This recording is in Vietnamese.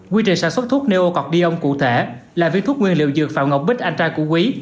quy trình sản xuất thuốc neocordion cụ thể là viên thuốc nguyên liệu dược phạm ngọc bích anh trai của quý